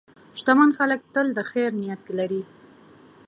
شتمن خلک تل د خیر نیت لري.